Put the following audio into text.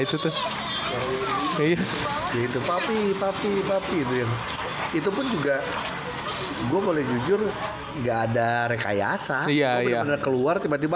itu tuh papi papi papi itu pun juga gue boleh jujur enggak ada rekayasa bener bener keluar tiba tiba